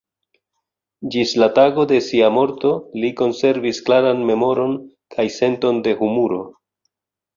Ĝis la tago de sia morto li konservis klaran memoron kaj senton de humuro.